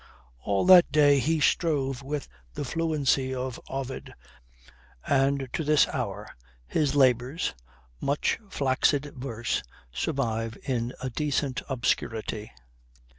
All that day he strove with the fluency of Ovid, and to this hour his labours, much flaccid verse, survive in a decent obscurity.